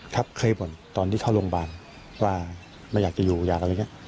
เคยบ่นตอนที่เข้าโรงพยาบาลว่าไม่อยากจะอยู่อยากอะไรอย่างนี้